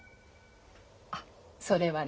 あそれはね